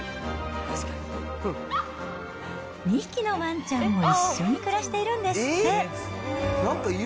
２匹のワンちゃんも一緒に暮らしているんですって。